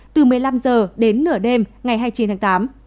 từ một mươi năm h đến nửa đêm ngày hai mươi chín tháng tám